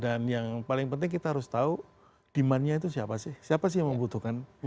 dan yang paling penting kita harus tahu demandnya itu siapa sih siapa sih yang membutuhkan